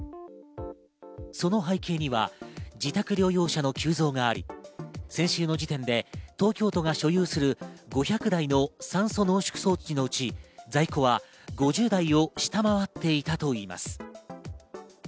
その背景には、自宅療養者の急増があり、先週の時点で東京都が所有する５００台の酸素濃縮装置のうち、在庫は５０台を下回っていたといいます。